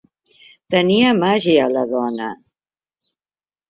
Tenia màgia, la dona.